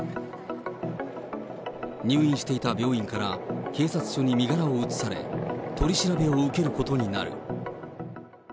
入院していた病院から警察署に身柄を移され、取り調べを受けることになる。